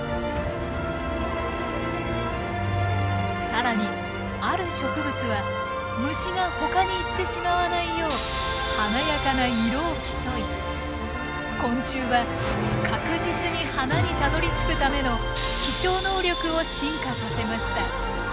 更にある植物は虫がほかに行ってしまわないよう華やかな色を競い昆虫は確実に花にたどりつくための飛翔能力を進化させました。